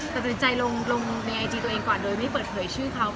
แต่ปัจจัยลงในไอตี้ตัวเองก่อนโดยไม่เปิดเหลือชื่อเขา